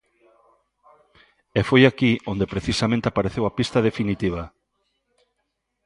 E foi aquí onde precisamente apareceu a pista definitiva.